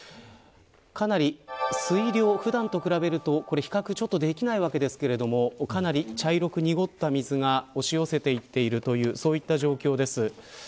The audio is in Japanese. かなり水量普段と比べると比較はできないわけですがかなり茶色く濁った水が押し寄せているというそういった状況です。